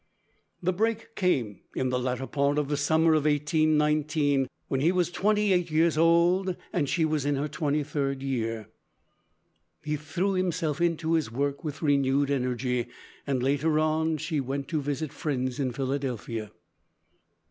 The break came in the latter part of the summer of 1819, when he was twenty eight years old and she was in her twenty third year. He threw himself into his work with renewed energy, and later on she went to visit friends in Philadelphia.